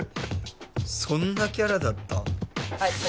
そんなキャラだった？